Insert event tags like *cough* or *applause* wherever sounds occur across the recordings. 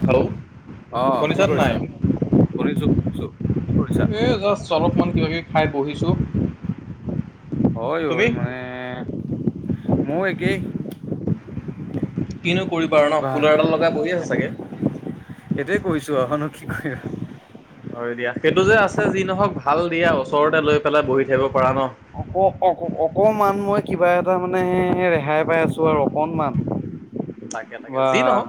Hello অ' কি শুনিছা নাই? কৰিছা? শুনিছো শুনিছো, কি কৰিছা? এই জাষ্ট অলপমান কিবা কিবি খাই বহিছো। হয় অও মানে ময়ো একেই। কিনো কৰিবা আৰু ন বাহ ফোনৰ হেডাল লগাই বহি আছা চাগে। এইটোৱে কৈছো আৰু। আৰুনো কি কৰিম। হয়, দিয়া সেইটো যে আছে যি নহওঁক ভাল দিয়া ওচৰতে লৈ পেলাই বহি থাকিব পৰা ন। অ', অ', অকমান মই কিবা এটা মানে ৰেহাই পাই আছো আৰু উম অকনমান। তাকে তাকে বা যি নহওক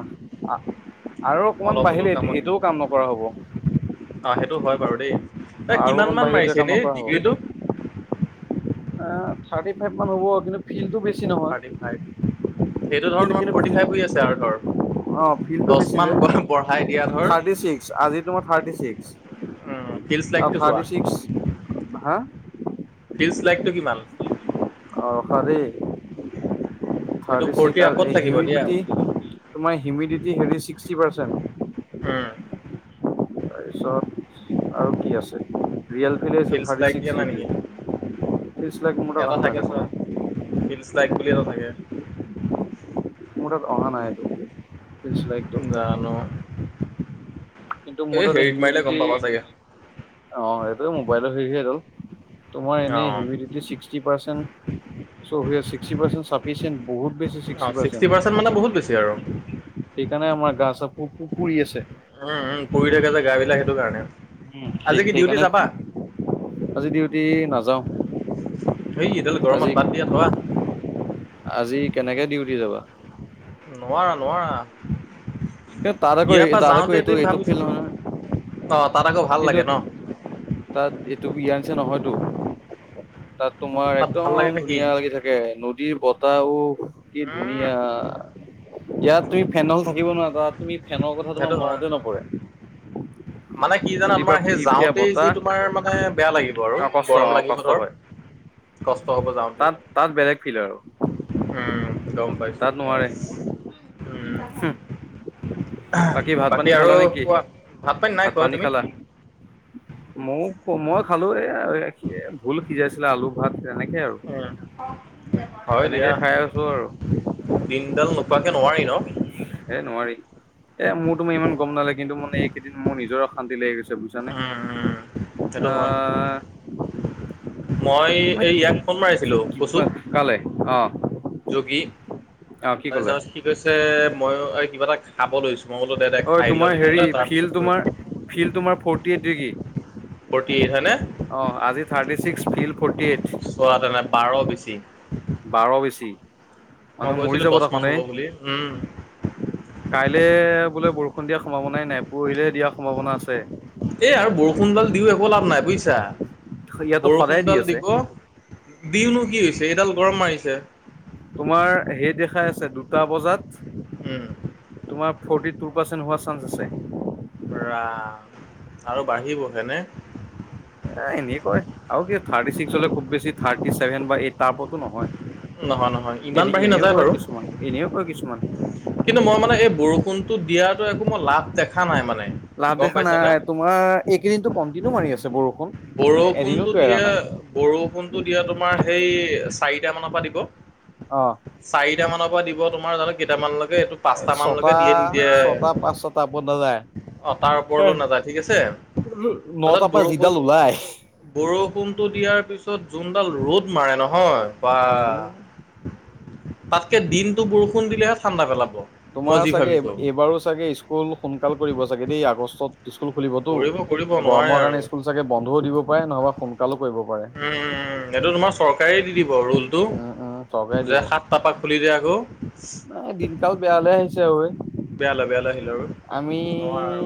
আৰু অকমান অলপ হ'লেও বাহিলে এইটো কামত দিছে। এইটোও কাম নকৰা হ'ব। অ', সেইটো হয় বাৰু দেই। এ আৰু কিমান অকণ মান বাঢ়িলে এইটোৱে মাৰিছে কাম এনে নকৰা ডিগ্ৰীটো? এ থাৰ্টি ফাইভ মান হ'ব কিন্তু ফিলটো বেছি নহয়। সেইটো থাৰ্টি ধৰ কিন্তু তোমাৰ কিন্তু ফৰ্টি ফাইভ ফিল্ড হৈ আছে আৰু ধৰ। অ', ফিলটো দহ বেছি মান যে। বঢ়াই দিয়া ধৰ থাৰ্তি চিস্ক আজি তোমাৰ থাৰ্তি চিস্ক। উম, ফিল্ডছ অ', লাইকটো চোৱা। থাৰ্টি চিক্স হা? ফিলচ লাইকটো কিমান? অ', হেৰি সেইটো থাৰ্তি ফৰ্টিৰ চিস্ক আগত আৰু থাকিব দিয়া। হিউমিডটি তোমাৰ হিউমিডিটি হেৰি ছিক্সটি পাৰ্চেন্ট। উম। তাৰপিছত আৰু কি আছে ৰিয়েল ফিল্ডছ থাৰ্টি লাইক দিয়া ছিক্স নাই ডিগ্ৰী নেকি? ফিলচ লাইক মোৰ তাত অহা নাই দেখোনে। ফিলচ লাইক বুলি এটা থাকে। মোৰ তাত অহা নাই এইটো ফিলচ লাইকটো। জানো কিন্তু মোৰ এই তাতে হেৰিত মাৰিলে গম হিউমিডিটি পাবা চাগে। অ', সেইটো মোবাইলত হেৰি হৈ হ'ল। তোমাৰ এনে অঁ হিউমিডিটি ছিক্সটি পাৰ্চেণ্ট চ' হোৱেৰ চিস্কটি পাৰ্চেন্ট চাফিচিয়েন্ট বহুত বেছি চিস্কটি পাৰ্চেন্ট। পাৰ্চেট মানে বহুত বেছি আৰু। সেইকাৰণে আমাৰ গা চা পু-পু-পুুৰি আছে। উম, উম পুৰি থাকে যে গাবিলাক সেইটো কাৰণে। উম, আজি কি ডিউটি সেইকাৰণে যাবা আজি ডিউটি নাযাও। হেই এইডাল আজি গৰমত বাত দিয়াত থোৱা। আজি কেনেকে ডিউটি যাবা। নোৱাৰা নোৱাৰা। কিন্তু তাত আকৌ ইয়াৰ এই- পৰা তাত আকৌ যাওঁতে এইটো তুমি এইটো ফিল ভাবিছাচোন, নহয় নহয় অ' তাত আকৌ ভাল কিন্তু লাগে ন। তাত এইটো ইয়াৰ নিচিনা নহয়তো। তাত তোমাৰ তাত ভাল লাগে একদম নে কি ধুনীয়া লাগি থাকে নদীৰ বতাহওঁ। কি উম ধুনীয়া, ইয়াত তুমি ফেনলৈও থাকিব নোৱাৰা তাত তুমি ফেনৰ কথা সেইটো তোমাৰ হয় মনতে নপৰে। *unintelligible* মানে কি জানা নদীৰ পৰা তোমাৰ সেই ফিৰফিৰিয়া যাওঁতেই বতাহ যি তোমাৰ মানে বেয়া লাগিব আৰু অ কষ্ট গৰম অ লাগিব কষ্ট ধৰ। হয় *unintelligible* হ'ব যাওঁতেই তাত তাত বেলেগ ফিল আৰু। উম, গম পাইছো তাত নোৱাৰে উম। ভাত পানী বাকী আৰু খালা নে কি কোৱা, ভাত পানী নাই খোৱা তুমি? মই মই খালো এ ভোল সিজাইছিলে আলু ভাত তেনেকে আৰু, উম, হয় তেনেকে দিয়া খাই আছো আৰু। দিনডাল নোখোৱাকে নোৱাৰি ন? হে নোৱাৰি, এ মোৰ তুমি ইমান গম নালাগে কিন্তু মানে এইকেইদিন মোৰ নিজৰ অশান্তি লাগি গৈছে বুজানে। উম, উম, সেইটো হয়। আহ মই এই মানে ইয়াক ফোন মাৰিছিলো কিবা কচুক। কালে অ যোগী, অ কি ক'লে তাৰপিছত সি কৈছে মই আৰু কিবা এটা খাব লৈছোঁ। মই বোলো দে দে অ খাই লওঁ তোমাৰ হেৰি তেতিয়াহ'লে ফিল তাৰপিছত কৰিম। তোমাৰ ফিল তোমাৰ forty eight degree. Forty eight হয় নে। অ' আজি thirty six feel forty eight. চোৱা তেনে বাৰ বেছি। বাৰ বেছি। মই মানুহ মৰি কৈছিলো যাব দহ মান দেখোন এই হ'ব বুলি উম। কাইলে বোলে বৰষুণ দিয়াৰ সম্ভাৱনাই নাই পৰহিলে দিয়াৰ সম্ভাৱনা আছে। এই আৰু বৰষুণডাল দিওঁ একো লাভ নাই বুজিছা, ইয়াতো সদায় দি বৰষুণডাল আছে দিব। দিওঁনো কি হৈছে এইডাল গৰম মাৰিছে। তোমাৰ সেই দেখাই আছে দুটা বজাত উম। তোমাৰ ফৰ্টি টুৰ পাৰ্চেণ্ট হোৱাৰ চান্স আছে। ৰাম, আৰু বাঢ়িবহেনে। এ এনে কয় আৰু কি থাৰ্টি ছিক্স হ'লে খুব বেছি থাৰ্টি ছেভেন বা এইট তাৰ ওপৰতো নহয়। ইমান এনে বাঢ়ি এনেও নাযায় কয় বাৰু। কিছুমান এনেও কয় কিছুমান। কিন্তু মই মানে এই বৰষুণটো দিয়াতো একো মই লাভ দেখা নাই মানে। লাভ গম দেখা পাইছানে? নাই তোমাৰ এইকেইদিনো কণ্টিনিউ মাৰি আছে বৰষুণ। বৰষুণটো এদিনোতো দিয়ে এৰা নাই বৰষুণটো দিয়ে তোমাৰ সেই চাৰিটা মানৰ পৰা দিব। অ'। চাৰিটা মানৰ পৰা দিব তোমাৰ জানো কেইটামানলৈকে এইটো পাঁচটা মানলৈকে ছটা দিয়ে নিদিয়ে। ছটা পাঁচ ছটা ওপৰত নাযায়। অ' তাৰ ওপৰলৈ নাযায় ঠিক আছে, *unintelligible* নটাৰ পৰা যিডাল বৰষুণ ওলাই বৰষুণটো দিয়াৰ পিছত যোনডাল ৰ'দ মাৰে নহয় বা। এ তাতকে দিনটো বৰষুণ দিলেহে ঠাণ্ডা পেলাব। মই তোমাৰ যি চাগে এ ভাবিছো এইবাৰো চাগে স্কুল সোনকাল কৰিব চাগে দেই আগষ্টত স্কুল খুলিবতো, কৰিব কৰিব নোৱাৰে গৰমৰ আৰু কাৰণে স্কুল চাগে বন্ধওঁ দিব পাৰে নহ'বা সোণকালেই কৰিব পাৰে। উম', উম', উম', এইটো তোমাৰ চৰকাৰে দি দিব ৰুলটো, উম উম চৰকাৰে দিব। যে সাতটা পাৰা খুলি দিয়ে আকৌ। নাই দিনকাল বেয়ালৈ আহিছে ঐ। বেয়ালৈ বেয়ালৈ আহিল আৰু আমি নোৱাৰা আৰু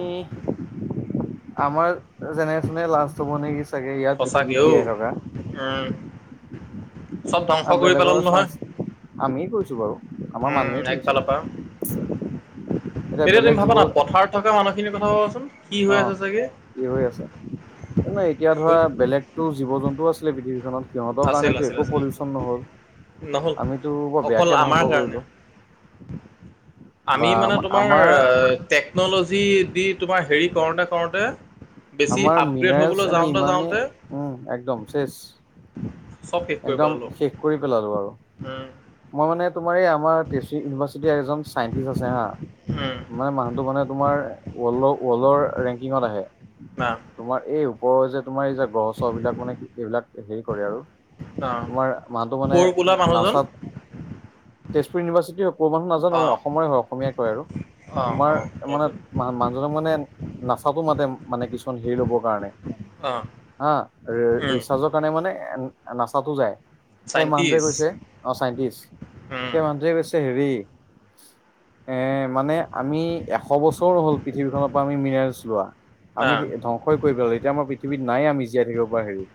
আমাৰ জেনেৰেশ্যনে লাাজ হ'ব নেকি চাগে ইয়াত সঁচাকে পৃথিৱীত ঔ জীয়াই থকা। উম, চ'ব ধ্বংস কৰি পেলালো নহয়। আমিয় কৰিছো বাৰু আমাৰ উম মানুহে একফালৰ পৰা কৰিছে। এতিয়া তুমি বেলেগ ভাবা জীৱ না পথাৰত থকা মানুহ খিনিৰ কথা কবচোন কি অ হৈ আছে চাগে। কি হৈ আছে এতিয়া ধৰা ধুইত, বেলেগতো জীৱ জন্তুও আছিলে পৃথিৱীখনত। সিহঁতৰ আছিল কাৰণেতো আছিল একো আছিল পলিউশচন নহ'ল নহ'ল আমিতো বৰ অকল বেয়াকে আমাৰ ধ্বংস কাৰণে কৰিলোঁ। আমি মানে তোমাৰ আমাৰ টেকনলজি দি তোমাৰ হেৰি কৰোতে কৰোতে। আমাৰ মিনাৰেলছ আমি ইমানেই যাওঁতে উম একদম চেচ। চব শেষ কৰি একদম পেলালো শেষ কৰি পেলালো আৰু। উম। মই মানে তোমাৰ এই আমাৰ তিচি ইউনিভাৰ্চিটিৰ এজন চাইন্টিষ্ট আছে হা উম মানে মানুহটো মানে তোমাৰ ৱৰ্লডৰ ৰেংকিঙত আহে। না তোমাৰ এই ওপৰৰ যে তোমাৰ এই যে গ্ৰহ চহ বিলাক মানে কি এইবিলাক হেৰি কৰে আৰু অ তোমাৰ মানুহটো মানে ক'ৰ বোলা মানুহজন নাচাত। তেজপুৰ ইউনিভাৰ্চিটি হও ক'ৰ মানুহ অ নাজানো অসমৰে হয় অসমীয়াই কয় আৰু। অ তোমাৰ অ মানে তাৰপিছত মান মানুহজনক মানে নাচাতো মাতে মানে কিছুমান হেৰি ল'বৰ কাৰণে অ হা উম ৰিচাৰ্জক। মানে নাচাতো যায় সেই মানুটোৱে চাইণ্টিষ্ট কৈছে অ' চাইন্টিছ। উম হেৰি এ মানে আমি এশ বছৰ হ'ল পৃথিৱীখনৰ পৰা আমি মিননোৰেলছ লোৱা। অ আমি ধ্বংসই কৰিব পেলো এতিয়া আমাৰ পৃথিৱীত নাই আমি জীয়াই থাকিব পৰা হেৰি।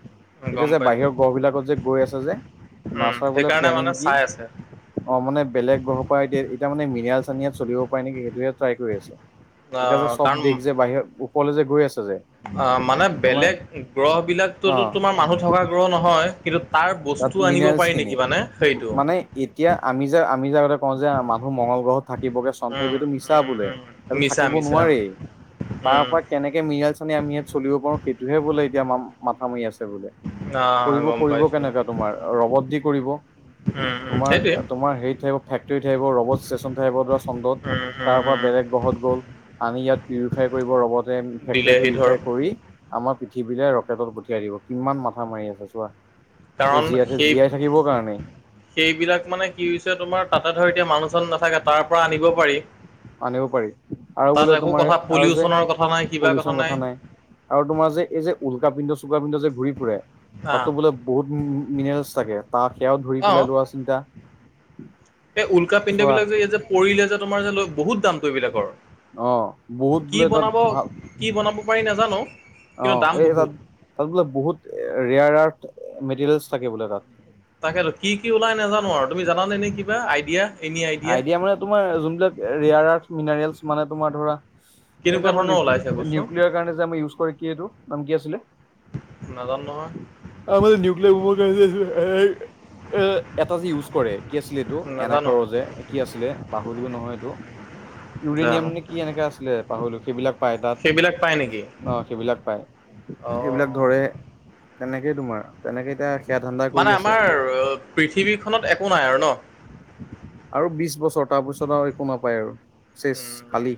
এতিয়া গম যে পাইছোঁ বাহিৰৰ গড় বিলাকত যে গৈ আছে যে উম নাচৰা বোলে। সেইকাৰণে প্লেনিং মানে কি চাই আছে অ মানে বেলেগ গ্ৰহৰ পৰা এতিয়া এতিয়া মানে মনেল চানিয়াত চলিব পাৰে নেকি সেইটোহে ট্ৰাই কৰি আছে৷ এতিয়া যে অ', চব কাৰণ দেশ যে বাহিৰ ওপৰলে যে গৈ আছে যে অ' মানে তোমাৰ বেলেগ গ্ৰহ অ বিলাকততো তোমাৰ মানুহ থকা গ্ৰহ নহয়। কিন্তু তাৰ তাত বস্তু আনিব মিনাৰেলছ পাৰি খিনি নেকি মানে সেইটো। মানে এতিয়া আমি যে আমি আগতে কওঁ যে মানুহ মঙগলগ্ৰহত থাকিবগে চন্থে উম, সেইটো মিছা উম, বোলে উম। এইটো মিছা থাকিব মিছা নোৱাৰেই তাৰ উম পৰা কেনেকে মিৰিাইছে আমি ইয়াত চলিব পাৰো সেইটোহে বোলে এতিয়া ম মাথা মৰি আছে বোলে অ' গম কৰিব পাইছো। কেনেকা তোমাৰ ৰবত দি কৰিব। উম উম তোমাৰ সেইটোৱে তোমাৰ হেৰিত থাকিব ফেক্ৰী থাকিব ৰবট ষ্টেচন থাকিব ধৰা চন্দত। উম তাৰ উম পৰা উম বেলেগ গ্ৰহত গল আনি ইয়াত দিলেহি ধৰ *unintelligible* কৰি আমাৰ পৃথিৱীলে ৰকেটত পঠিয়াই দিব কিমান মাথা মাৰি আছে চোৱা। এই কাৰণ জীয়াই থ সেই জীয়াই থাকিবৰ কাৰণে। সেইবিলাক মানে কি হৈছে তোমাৰ তাতে ধৰ এতিয়া মানুহ চানুহ নাথাকে তাৰ পৰা আনিব পাৰি। আনিব পাৰি আৰু তাত বোলে একো তোমাৰ কথা আৰু যে পলিউচনৰ কথা নাই কিবা পলিউচন কথা নাই। আৰু তোমাৰ যে এই যে উলকা পিন্ধ চুল্কা পিন্ধ যে ঘূৰি ফুৰে। আ তাতো বোলে বহুত মিনাৰলছ থাকে তাক সেয়াও ধৰি অ' পেলাই লোৱা চিন্তা। এই উল্কা পিন্ধ চোৱা বিলাক যে এই যে পৰিলে যে তোমাৰ যে লয় বহুত দামটো এইবলাকৰ। অ' বহুত বোলে তাত ভাল কি বনাব পাৰি নাজানো কিন্তু অ' দাম এই তাত বহুত তাত বোলে বহুত ৰেয়াৰ আৰ্থ মেটেৰিয়েলছ থাকে বোলে তাত। তাকেতো কি কি ওলাই নাজানো আৰু তুমি জানে নে কিবা আইডিয়া? আইডিয়া মানে তোমাৰ যোনবিলাক ৰেয়াৰ আৰ্থ মিনাৰেলছ মানে তোমাৰ ধৰা এই কেনেকুৱা যে আমাৰ ধৰণৰ ওলাইছে বস্তু নিউক্লিয়াৰ কাৰণে যে ইউজ কৰে কি এইটো নাম কি আছিলে? নাজানো ন আ মানে *unintelligible* এ এটা যে ইউজ কৰে কি আছিলেটো এনে নাজানো কৰ যে কি আছিলে পাহৰিলো নহয় এইটো ইউৰেনিয়াম জানো নে কি এনেকা আছিলে পাহৰিলো সেইবিলাক পাই তাত সেইবিলাক পায় নেকি অ' সেইবিলাক পায় অ সেইবিলাক ধৰে তেনেকেই তোমাৰ তেনেকে এতিয়া সেয়া ধান্দা কৰি মানে আছে আমাৰ পৃথিৱীখনত একো নাই আৰু ন আৰু বিশ বছৰ তাৰপিছত আৰু একো নাপায় আৰু। চেচ উম খালী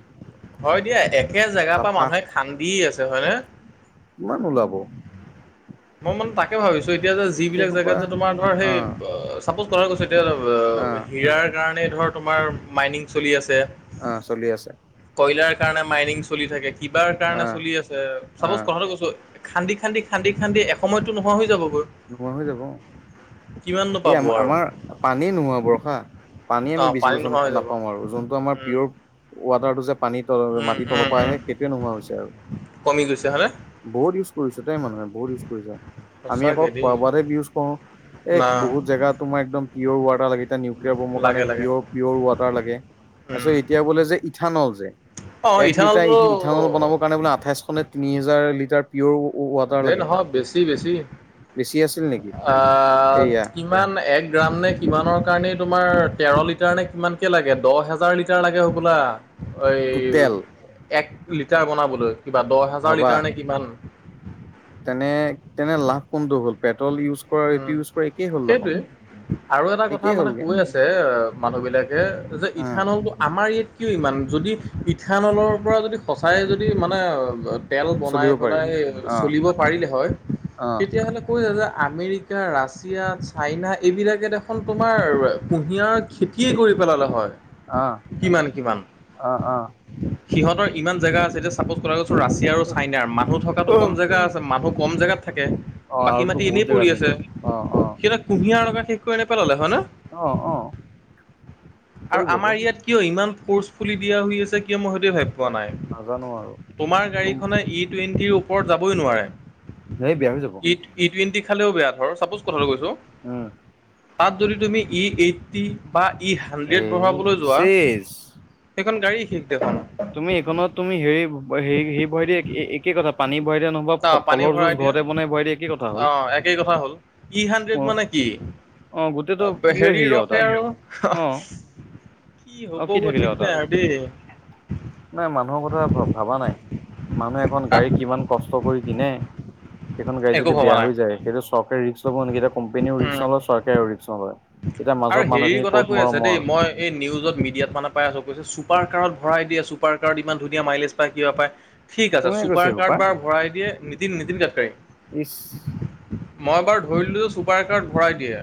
হয় দিয়া একে জেগাৰ পৰা চাফা মানুহে খান্দি আছে হয়নে? কিমান ওলাব। মই মানে তাকে ভাবিছো এতিয়া যে সেই যিবিলাক সোপা জেগাত যে তোমাৰ ধৰ সেই আহ চাপজ কথাটো কৈছো। এতিয়া অ' আহ হিৰাৰ কাৰণে ধৰ তোমাৰ মাইনিং চলি আছে। অ, চলি আছে। কয়লাৰ কাৰণে মাইনিং চলি থাকে কিবাৰ কাৰণে আহ চলি আছে চাপজ আহ কথাটো কৈছো। খান্দি খান্দি খান্দি খান্দি এসময়তো নোহোৱা হৈ যাব গৈ। নোহোৱা হৈ যাব এই পাব আমাৰ আৰু আমাৰ পানী নোহোৱা হ'ব ৰখা। পানী আমি অঁ বেছি বছৰ নোহোৱা হৈ যাব নাপাওঁ আৰু যোনটো আমাৰ উম পিয়ৰ ৱাটাৰটো যে। পানী তল উম মাটিৰ উম তলৰ পৰা উম আহে সেইটোয়ে নোহোৱা হৈছে আৰু। কমি গৈছে হয়নে বহুত ইউজ কৰিছো দে মানুহে বহুত ইউজ কৰিছে, আমি সঁচাকে আকৌ। দেই ইজ কৰো এ না বহুত জেগা তোমাৰ একদম পিয়ৰ ৱাটাৰ লাগি এটা নিউক্লিয়াৰ বমৰ কাৰণে লাগে লাগে পিয়ৰ পিয়ৰ ৱাটাৰ লাগে। উম তাৰপিছত এতিয়া বোলে যে ইথানল যে। অঁ এক লিটাৰ ইথানলটো ইথানল বনাবৰ কাৰণে বোলে আঠাইশনে তিনি হাজাৰ লিটাৰ পিয়ৰ। ৱাটাৰ এই লাগে। নহয় বেছি বেছি বেছি আছিল নেকি আহ এইয়া এক গ্ৰাম নে কিমানৰ কাৰণেই তোমাৰ তেৰ লিটাৰ নে কিমান কে লাগে দহ হাজাৰ লিটাৰ লাগে হ'বলা এই টোটেল এক লিটাৰ বনাবলৈ কিবা দহ হাজাৰ ভাবা লিটাৰ নে কিমান। তেনে তেনে লাভ কোনটো হ'ল পেট্ৰল ইউজ কৰা উম এইটো ইউজ কৰা একেই হ'ল সেইটোৱে দেখোন। আৰু এটা কথা একেই মানে হ'লগে কৈ আছে মানুহ বিলাকে যে উম ইথানলটো আমাৰ ই কিয় ইমান যদি ইথানলৰ পৰা যদি সঁচাই যদি মানে তেল বনাই চলিব পাৰি পেলাই অ চলিব পাৰিলে হয়, অ তেতিয়া হ'লে কৈছে যে আমৰিকা। ৰাছিয়া, চাইনা এইবিলাকে দেখোন তোমাৰ কুঁহিয়াৰৰ খেতিয়ে কৰি পেলালে হয়। অ কিমান কিমান। অ সিহঁতৰ ইমান জেগা আছে এতিয়া চাপজ কথা কৈছো ৰাছিয়া আৰু অ। চাইনাৰ মানুহ থকাটো অ' কম জেগা তাৰ মানুহ কম জেগাত থাকে অ, আৰুতো বহুত জেগা আছে। সেইটা কুঁহিয়াৰ লগাই শেষ কৰি নেপেলালে হয় ন। অ অ আৰু কৰিবতো আমাৰ ইয়াত। কিয় ইমান ফ'ৰ্চফুলি দিয়া হৈ আছে কিয় মই সেইটো ভাবি নাজানো আৰু তোমাৰ তোম গাড়ীখনে ই টুৱেণ্টিৰ ওপৰত যাবই নোৱাৰে। হেই বেয়া হৈ যাব। ই ই টুৱেণ্টি খালেও বেয়া ধৰ ছাপোজ কথাটো কৈছোঁ। উম, তাত যদি তুমি ই এইট্টি বা ই হাণ্ড্ৰেড এই ভৰাবলৈ যোৱা। চেজ সেইখন গাড়ী শেষ দেখোন। তুমি এইখনত তুমি হেৰি হেৰি হেৰি ভৰাই দিয়া একে কথা পানী ভৰাই দিয়া ন। অ, পানী ভৰাই দিয়া হ'ল অ, একেই কথা হ'ল ই অ হাণ্ড্ৰেড মানে কি? অ গোটেইটো প্ৰিয় হেৰি ৰখে তাত আৰু অ, কি আৰু হ'ব গৈ থাকিলে ঠিক নাই তাত আৰু। দেই। নাই মানুহৰ কথা ভবা নাই মানুহে এখন গাড়ী কিমান কষ্ট কৰি কিনে। হেখন গাড়ী একো যদি ভবা বেয়া নাই হৈ যায় সেইটো চৰকাৰে ৰিক্স ল'ব নেকি এতিয়া কোম্পানীও উম ৰিক্স নলয় চৰকাৰেও ৰিক্স নলয়। এতিয়া আৰু মাজত হেৰিৰ মানুহখিনি কথা ক'ত কৈ আছে মৰমৰ দেই মই। এই নিউজত মিডিয়াত মানে পাই আছো কৈছে ছুপাৰ কাৰত ভৰাই দিয়ে ছুপাৰ কাৰত ইমান ধুনীয়া মাইলেজ পায় কিবা পায়। ঠিক আছে কোনে কৈছে ছুপাৰ সোপা কাৰত বাৰু ভৰাই দিয়ে নীতিন নীতিন গাডকাৰী। ইচ মই বাৰু ধৰিলো চুপাৰ একাৰত ভৰাই দিয়ে।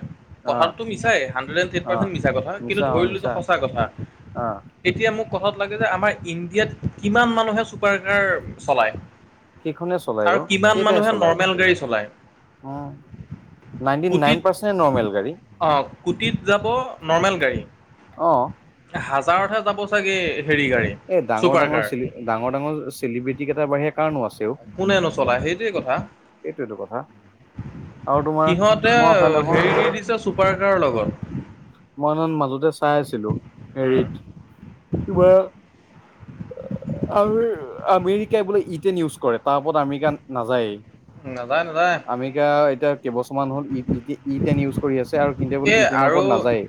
আহ টো মিছা ই হান্ড্ৰেড এণ্ড চেন্ট আহ পাৰচেন্ট মিছা কথা কিন্তু মিছা অ ধৰিলো যে মিছা সঁচা কথা। আহ এতিয়া মোক কথাত লাগে যে আমাৰ ইণ্ডিয়াত কিমান মানুহে চুপাৰ কাৰ চলায়। সেইখনে চলায় আৰু অ, কিমান কেইটাই মানুহে চলায় নৰ্মেল গাড়ী চলায়। উম, নাইনটি নাইন কোটিত পাৰ্চেন্ট এ নৰ্মেল গাড়ী। অ, কুটিত যাব নৰ্মেল গাড়ী। অ, হাজাৰতহে যাব চাগে হেৰি গাড়ী। এ ডাঙৰ ছুপাৰ ডাঙৰ কাৰ। চেলি ডাঙৰ ডাঙৰ চেলিব্ৰিটি কেইটাৰ বাহিৰে কাৰণো আছে অ'। কোনে নচলায় সেইটোৱে কথা। এইটোৱেইতো কথা আৰু তোমাৰ সিহঁতে মই সেইদিনাখন হেৰি দি দিছে চুপাৰকাৰৰ লগত। মইমানে মাজতে চাই আছিলো উম, হেৰিত কিবা। আৰু আমেৰিকাই বোলে ইটেন ইউজ কৰে, তাৰ ওপৰত আমেৰিকা নাযায়েই। নাযায়, নাযায়। আমেৰিকা এতিয়া কেইবছৰমান হ'ল ই ই টেন ইউজ কৰি আছে আৰু সিঁহতে বোলে এই ইটেনৰ ওপৰত আৰু নাযায়েই।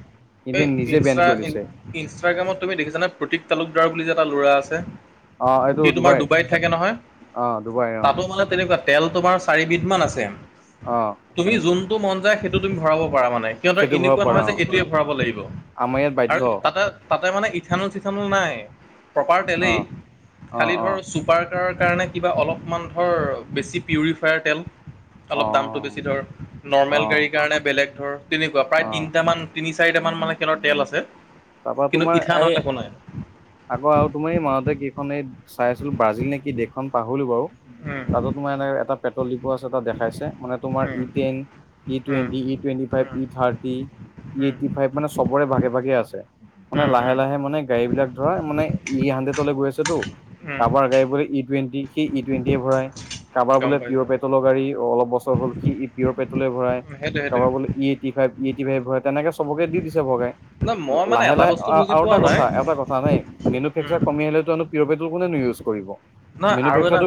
এই সিহঁতে নিজে বেন ইনষ্টা কৰি ইন লৈছে। ইনষ্টাগ্ৰামত তুমি দেখিছানে প্ৰতীক তালুকদাৰ বুলি যে এটা ল'ৰা আছে। অ এইটো সি তোমাৰ ডুবাই ডুবাইত থাকে নহয়, অ ডুবাই অ তাতো মানে তেনেকুৱা। তেল তোমাৰ চাৰিবিধমান আছে। অ' তুমি যোনতটো মন যায়, সেইটো তুমি ভৰাব পাৰা মানে। সিহঁতৰ সেইটো ভৰাব এনেকুৱা পাৰা নহয় যে অ এইটোৱে ভৰাব লাগিব আমাৰ ইয়াত আৰু বাধ্য অ তাতে। তাতে মানে ইথানল চিথানল নাই প্ৰপাৰ তেলেই। অ সালি অ ধৰ চুপাৰ কাৰৰ কাৰনে কিবা অলপমান ধৰ বেছি পিউৰিফাইড তেল। অ অলপ দামতটো বেছি ধৰ অ নৰ্মেল গাড়ীৰ কাৰণে বেলেগ ধৰ তেনেকুৱা অ প্ৰায় তিনটামান। তিনি চাৰিটামান মানে খেলৰ তেল আছে, তাৰপা কিন্তু তোমাৰ এই ইঠানল একো নাই। আকৌ আৰু তোমাৰ এই মাহতে কেইখন এই চাই আছিলো ব্ৰাজিল নে কি দেশখন পাহৰিলো বাৰু। তাতো তোমাৰ এনেক এটা পেট্ৰল ডিপু আছে তাত দেখাইছে মানে। তোমাৰ ই টেন, ই টুৱেণ্টি, ই টুৱেণ্টি ফাইভ, ই থাৰ্ট টি ই এইটটিফাইভ মানে চবৰে ভাগে ভাগে আছে। মানে লাহে লাহে মানে গাড়ী বিলাক ধৰা মানে ই হান্ড্ৰেডলৈ গৈ আছেতো। কাৰবাৰ গাড়ী বোৰে ই টুৱেণ্টি সি ই টুৱেণ্টিয়ে ভৰাই। কাৰোবাৰ গম বোলে পিয়ৰ পাইছোঁ পেট্ৰলৰ গাড়ী বোলে অলপ বছৰ হ'ল সি ই পিয়ৰ পেট্ৰলে ভৰাই, সেইটোৱে সেইটোৱে। কাৰোবাৰ বোলে E eighty five, E eighty five ভৰাই তেনেকে চবকে দি দিছে ভগাই। ন মই মানে লাহে এটা লাহে বস্তু বুজি আৰু পোৱা এটা নাই। কথা এটা কথা। মানুহে উম। মেনুফেক্সাৰ কমি আহিলে নো পিয়ৰ পেট্ৰল কোনেনো ইউজ কৰিব। নহয় আৰু এটা কথা। মেনুফেকচাৰটো